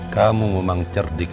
kamu memang cerdik